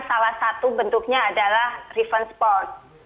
salah satu bentuknya adalah revenge porn